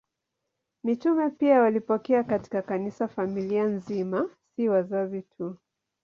Mitume pia walipokea katika Kanisa familia nzima, si wazazi tu.